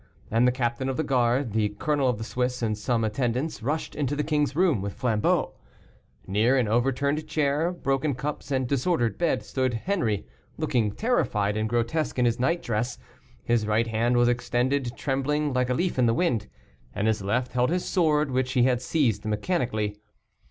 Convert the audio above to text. And the captain of the guard, the colonel of the Swiss, and some attendants, rushed into the king's room with flambeaux. Near an overturned chair, broken cups, and disordered bed, stood Henri, looking terrified and grotesque in his night dress. His right hand was extended, trembling like a leaf in the wind, and his left held his sword, which he had seized mechanically.